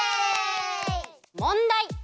もんだい！